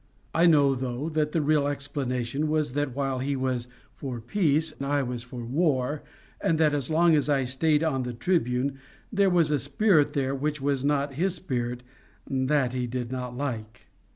I know, though, that the real explanation was that while he was for peace I was for war, and that as long as I stayed on the Tribune there was a spirit there which was not his spirit that he did not like.